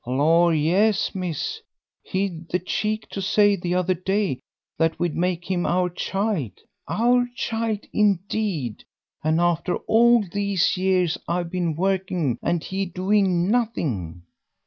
"Lor', yes, miss; he'd the cheek to say the other day that we'd make him our child our child, indeed! and after all these years I've been working and he doing nothing."